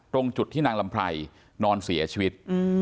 ตรงจุดที่นางลำไพรนอนเสียชีวิต